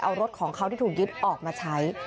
เอารถของเขาที่ถูกยึดออกมาใช้